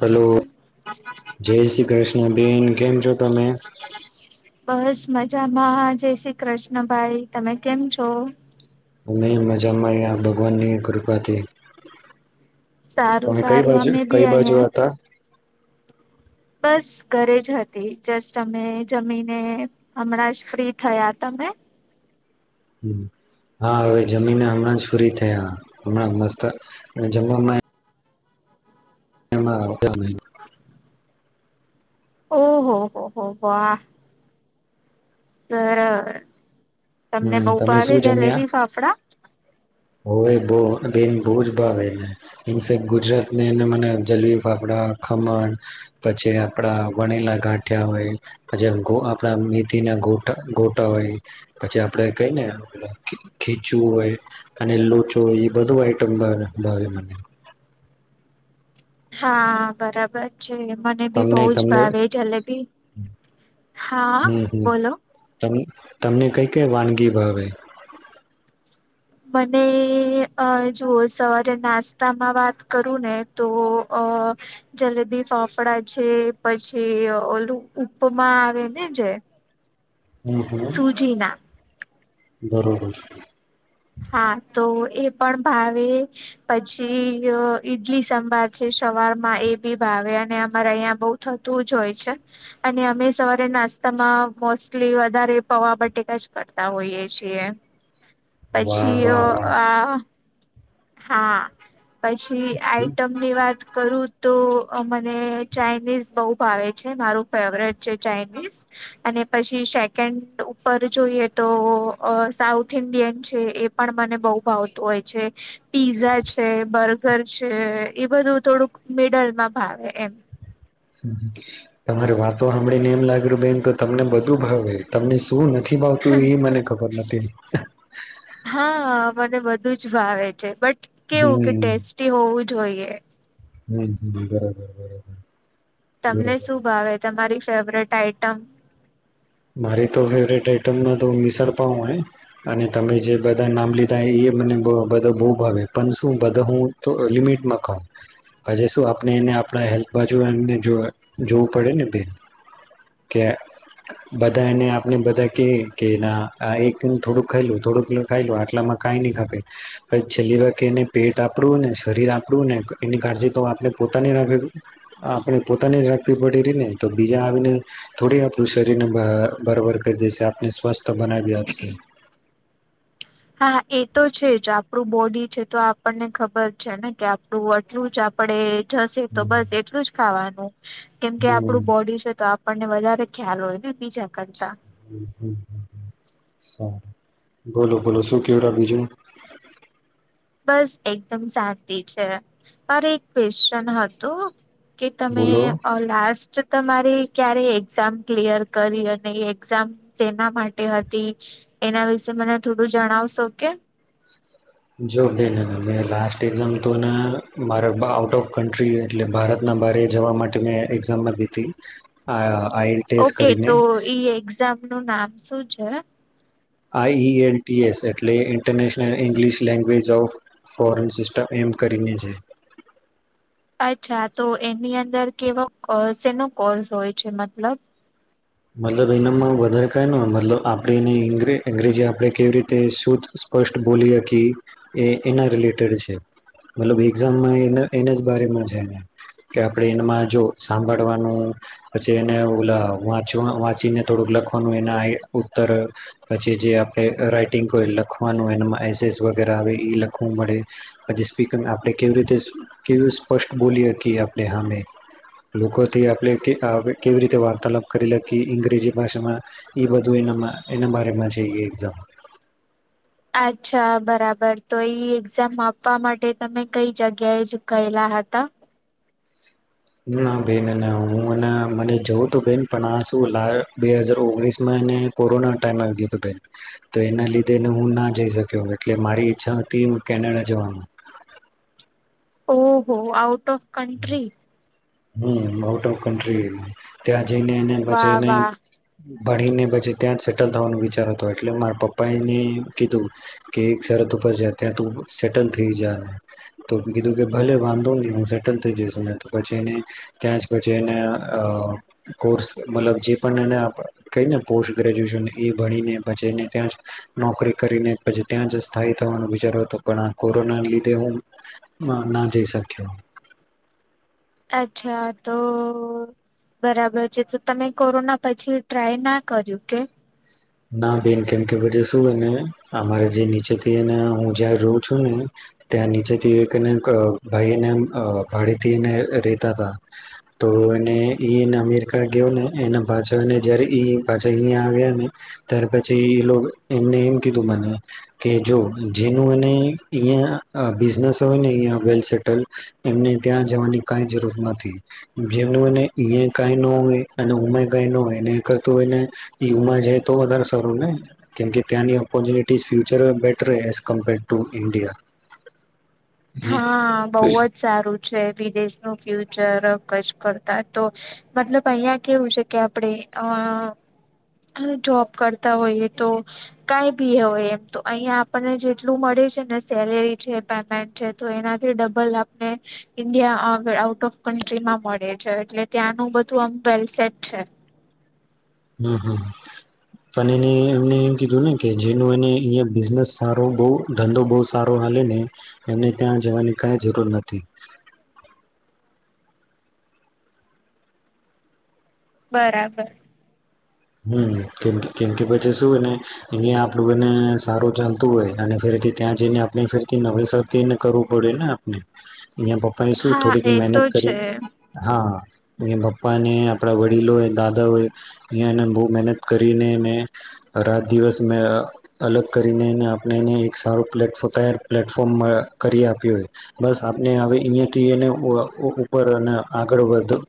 Hello જય શ્રી કૃષ્ણબેન. કેમ છો તમે? બસ મજામાં જય શ્રી કૃષ્ણભાઈ. તમે કેમ છો? અમે મજામાં યા ભગવાનની કૃપાથી. સારું તમે કઈ સારું બાજુ અમે બી કઈ બાજુ અહિયાં હતા? બસ ઘરે જ હતી જસ્ટ અમે જમીને હમણાં જ ફ્રી થયા તા. મેં હમમ હા હવે જમીને હમણાં જ ફ્રી થયા હમણાં મસ્ત અને જમવામાં એમાં આવતા જ નહી. ઓહહો હો હો વાહ. બરાબર હમ, તમને બો તમે ભાવે જલેબી ફાફડા. હોય બો બેન બો જ ભાવે એનેે ઇન્ફેક્ટ ગુજરાતને એને મને જલેબી ફાફડા ખમણ પછી આપડા વણેલા ગાંઠિયા હોય પછી ગો આપણા મેથી ના ગોટ ગોટા હોય પછી આપડે કેય ને ખીચયુ હોય. અને લોચો એ બધું આઈટમ ભાવે મને. હા બરાબર છે. મને બી બો તમને જ તમને ભાવે જલેબી હા હમ હમ બોલો. તમ તમને કઈ કઈ વાનગી ભાવે? મને અ જુવો સવારે નાસ્તામાં વાત કરું ને તો જલેબી, ફાફડા છે પછી ઓલું ઉપમા આવે ને છે. હમમ બરોબર. હા તો એ પણ ભાવે પછી અ ઈડલી સંભાર છે શ સવાર માં એ બી ભાવે અને અમારે અહંયા બો થતું જ હોય છે અને અમે સવારે નાસ્ત નાસ્તા માં મોસ્ટલી વધારે પોવા બટેકા જ કરતા હોઈએ છીએ. વાહ પછી અ વાહ વાહ આ હા પછી આઈટમ ની વાત કરું તો મને ચાાઈનીઝ બો ભાવે છે મારું ફેવરેટ છે ચાઇનીઝ. અને પછી સેકન્ડ ઉપર જોઈએ તો અ સાઉથ ઇન્ડિયન છે એ એ પણ મને બો ભાવતું હોય છે. પીઝા છે, બર્ગર છે એ બધું થોડુંક મિડલ માં ભાવે એમ. તમારી વાતો હાભળીને એમ લાગ્યું બેન તો તમને બધું ભાવે તમને સ શું નથી ભાવતું એ મને ખબર નથી. હા મને બધું જ ભાવે છે બટ કેવું કે હમ ટેસ્ટી હોવું જોઈએ. હમમ હમમ બરાબર બરાબર. તમને શું ભાવે તમારી ફેવરેટ આઈટમ? મારી તો ફેવરટ આઈટમ માં તો મિસળપાવ હોય અને તમે જે બધા નામ લીધા એ. કે મને બધા બો ભાવે પણ શું બધા હું તો લિમિટમાં ખાવ. પછી શું આપણે એને આપણા હેલથ બાજુ એને જો જોવું પડે ને બેન. કે બધા એને આપણે બધા કે કે ના આ એક થોડુંક ખાઈલું થોડું થોડું ખાઈલો આટલામાં તો કાય ની ખપે પછી છેલ્લી વા એને પેટ આપડુ ને શરીર આપડું ને એની કાળજી તો આપણે પોતાની રાખવી આપડે પોતાની જ રાખવી પડી તીને બીજા આવીને થોડી આપડી શરીરને બરા બરાબર કરી દેશે આપને સ્વસ્થ બનાવી આપશે. હા એ તો છે જ આપણું બોડી છે તો આપણને ખબર છે ને કે આપણું એટલું જ આપડે જશે તો બસ એટલું જ ખાવાનું કેમ કે હમ આપડું બોડી છે તો આપ આપણને વધારે ખ્યાલ હોય ને બીજા કરતા હ હ સારું. બોલો બોલો શું કેવરા બીજું. બસ એકદમ શાંતિ છે, પર એક પેશચન હતું. કે તમે બોલો લ જો તમારી ક્યારે એક્ઝામ ક્લિયર કરી અને એક્ઝામ જેના માટે હતી? એના વિશે મને થોડું જણાવશો કે? જો બેન મેં એક્ઝામ તો ને મારે આઉટ ઓફ કન્ટ એટલે ભારત ં બરે જવા માટે મેં એક્ઝામમાં વીતી, આ આઈએલટીએસ ઓકે કરીને તો ઈ એક્ઝામ નું નામ શું છે? આઈ એલ ટી એસ એટલે international English language of foreign system એમ. કરીને છે. હ [inaudible] અચ્છા તો એની અંદર કેવોનો કોર્સ હોય છે મતલબ? મતલબ એનામાં વધારે ક ન મતલબ આપે એને અંગ્રેજી આપડે કેવી રીતે શું સ્પષ્ટ બોલી હકી. એ એના રિલેટેડ છે. મતલબ એઝામમાં એના જ બમાં છે. કે આપડે એમાં જો સાંભળવાનું, પછી એને વાંચ વાંચીને થોડુંક લખવાનું એ ઉત્તર, પછી જે આપણે રાઈટિંગ લખવાનું ુંે પછીર આપ કેવી રીતે સ્ષ્ટ બોલીકી આપણે હમે, લોકોથી આપણે કેવી રીતે વાર્તાલાપ કરી લખી ઇંગ્રેજી ભાષામાં, એ બધું એનામાં એના બારમાં જઈએ એક્ઝામ. [inaudible] અચ્છા બરાબર તો એક્ઝામ આપવા માટે તમે કઈ જગ્યાએ જ ગયેલા હતા? ત? ના બેન હું મને જોઉં તો બેન પણ આ શું બે હાજાર ઓગણીસ માં ટ એના લીધે હું ના જઈ શક્યો એટલે મારી ઈ્છા હતી ટ હું કેનેડા જોવાનું. [inaudible] ઓહો આઉટ ઓફ કંન્ટ્રી. હ આઉટ ઓફ કન્ટ્રી ત્યાં જઈને એ વાહ પને વાહ ભણી ને પછી ત્યાં જ સેટલ થવાનું વિચાર હતો એટલે મારા પપ્પા એને કીધું, કે એક સરસ ર સેટલ થઈ જને, કીધું કે ભલે વાંધો ન હું પછી ત્યાં પછી કોર્લબ જે ક પોસ્ટ ગ્રેજ્યુએશન એ ભને પછીને ત્યાં, નોકરી કરીને પછી ત્યા સ્ થવાનો બચારો હતો પણ કોરોના લીધે હું ના જઈ શક્યો. અચ્છા તો બરાબર છે તો તમે કોરોના પછી ટ્રાય ના કર્યું કે? ના બેન કેમ કેે શુંને અમારે જે નીચેથીને હું જય રહું છું ને ત્યાં નીચેથી એકને ભાઈને ભાડેથીને રેતા હતા. તો એને એને અમેરિકા ગયો ને એના પાછાને જય્યારે એ પાછા અહીંયા આવ્યા ને ત્યાર પછી એ લોકો એમને એમ કીધું મને, કે જો જેનું એને બિઝનેસ હોય ને અ વેલ સેટલ, એમને ત્યાં જવાની કઈ જરૂર નથી. જેમનું એને ઈ ક ન હોય અને ઉમે કઈ ન હોય એને કરતું હોને માં જે તો વધારે સારું ને, કેમકે ત્યાંની opportunities future better as compared to India. હા બહ જ સારું વિદેશનું ફ્યુચર ક જ કરતા તો, મતલબ અહિયાં કેવું છે કે આપણે હા. જોબ કરતા હોઈએ તો, કઈ બી હોય એમ તો અહીયાં આપણને જેટલું મળે ને સેલેરી છે પેમેન્ટ છે. તો એનાથી ડબલ આપને, ઇન્ડિયા આઉટ ઓફ કન્ટ્રીમાં મળે છે એટલે ત્યાંનું બ ું આમ વેલસેટ છે. હમ હમ. પણ એને એમને એમ કીધું ને કે જેનો એ બિઝનેસ સારો બ ધંધો બહ સારો એને ત્યાં જવાની કઈ જરૂર નથી હમ. બરાબર. હમ કેમ કેમ કે પછી શુંને અહંયા આપડુંને સારું ચાલતું હોય. અને ત્યાં જઈને આપણે ફેર નવેસરને કરવું પડે ને આપણે. અહીંયા પપ્પા એ શું હા થોડીક એ તો મહેનત કરી છે હા એ પપ્પા ને આપણા વડીલોય દાદા હોય અહીંયા એને બહુ મહેનત કરીને રાત દિવસ મે અલગ કરીનેને આપણેને એક સારું પ્ તૈાર પ્લેટફોર્મ કરી આપ્યો બસ આપણે હવે અહીંયાથી એ ઉપર અને આગળ વધ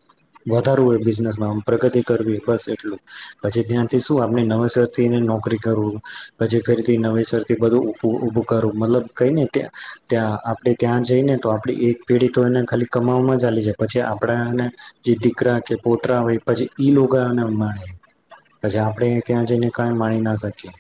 વધારવું હોય બિઝનેસમાં પ્રગતિ કરવી બસ એટલું પછી ત્યાંથી શું આપને નવેસ થીને નોકરી કરું પછી ફેરીથી નવેસર થી બધું ઉભું કરવું મતલબ કઈને ત્યા ત્યા આપણે ત્યાં જઈને તો આપ એક પેઢી તો એને ખાલી માં ચા જાય પછી આપડાને જે દીકરા કે પોતરા હોય પછી ઈ લોગાને મા પછી આપણે ત્યાં જઈને કાંઈ માણી ના શકીએ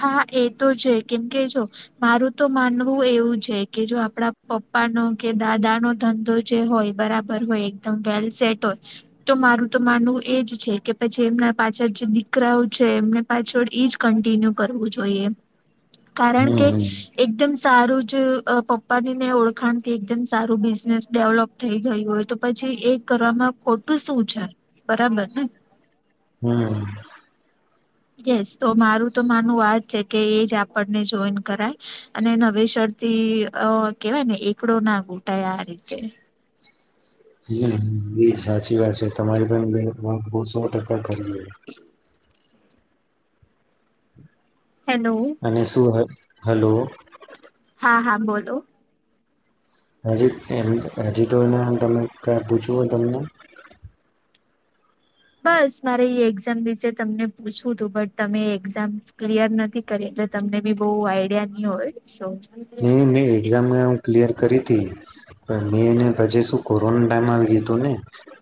હા એ તો છે કેમકે જો મારું તો માનવું એવું છે કે જો આપડા પપ પપ્પા નો કે દાદા નો ધંધો જે હોય બરાબર હોય એકદમ વેલ સેટ હોય તો મારું તો માનવું એજ છે કે પછી એમના પાછળ જે દીકરાઓ છે એમને પાછળ ઈજ કન્ટિન્યુ વું જોઈએ કારણ હમ કે હમ. એકદમ સારું જ પપ્પા ની ને ઓળખાણ થી એકદમ સારું બિઝનેસ ડેવલપ થઈ ગયું હોય તો પછી પ એ કરવામાં ખોટું શું છે. બરાબર ને. હમ. યસ તો મારું તો માનું વા જ છે કે એ જ આપણને જોઈન કરાય. અને નવે શર્ટ અ કેવાય ને એકડો ના ઘૂટાય આ રીતે હમ એ સાચી વાત છે તમારે પણ બે બહુ સો ટકા કરી લ હેલો અને શું હલો હા હા બોલો. હજી એમ હજી તો એને તમે ક પૂછું હો તમને બસ મારે એક્ઝામ વિશે તમને પૂછવું તું બટ તમે એક્ઝામ ક્લિયર નથી કરી એટલે તમને બી બહુ આઈડિયા નહ હોય સો નહી મેં એક્ઝામ હ ક્લિયર કરી હતીી પણ મેં પજ શું કોરોના ટાઈમ આવી ગીું ને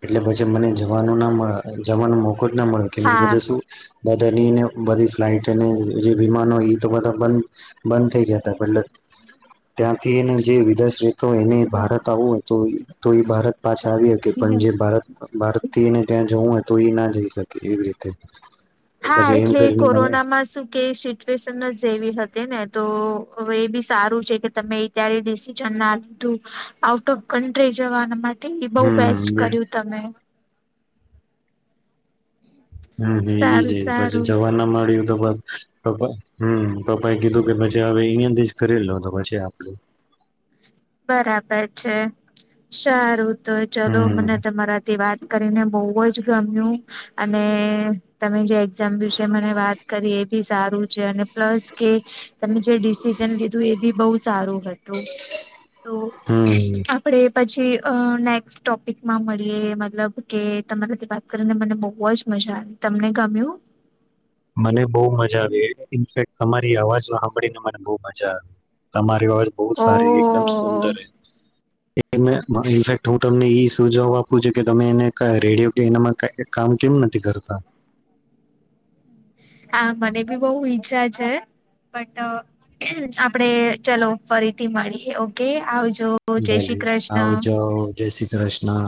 એટલે પછી મને જવાનું ના મળ જવાનો મોકો જ ના મળે કેમ કે હા બધા શું બધાની ને બધી ફ્લાઇટને જે વિમાનો એ તો બધા બંધ બંધ થઈ ગયા હતા એટલે ત્યાંથી એનો જે વિદેશ રહેતો એને ભારત આવું હતો તો ભારત પાછા આવી શકી પણ બીજું જે ભારત ભારતથીને ત્યાં જવું હોય તો એ ના જઈ શકે એવી રીતે હા પછી એમ એટલે કરીને મને કોરોનામાં શું કેવી સિચ્યુએશન જેવી હતી. ને તો હવે એ બી સારું છે કે તમે્યારે ડિસિજન ના લીધું આઉટ ઓફ કન્ટ્રી જવાના માટેથી એ બહુ બેસ્ટ હમ કર્યું તમે હમ હમ એઈ જ સારું પછી સારું જવા ના મળ્યું પપ્પા હમ પપ્પા એ કીધું કે પછી હવે અહંયાથી જ કરેલો તો પછી આપડું હ. બરાબર છે સારું તો ચલો હમ મને તમારાથી વાત કરીને બહુ જ ગમ્યું અને તમે જે એામ દિવસે મને વાત કરી બી સારું છે અને પ્લસ કે તમે જે ડિસિઝન લીધું એ બી બહુ સારું હતું. તો હમ આપડે પછી નેક્સ્ટ ટોપિકમાં મળીએ મતલબ કે તમારાથી વાત કરીને મને બહુ જ મ જા તમને ગમ્યું મને બહુ મજા આવી ઇફેક તમારી અવાજ સાંભળીને મને બહુ મજા આવી તમારી આવાજ બહુ ઓ સારી એકદમ સુંદર હૈ લેકિન મ ઇફેક્ટ હું તમને ઈ સ તું જવાબ આપું છે કે તમે એને કય રેડિયો કે એનામાં ક કામ કેમ નથી કરતા હા મને ભી બહુ ઈચ્છા. છે બટ આપડે ચલો ફરીથી મળી ઓકે આવજે ભલે આવ જાઓ જય શ્રી કૃષ્ણ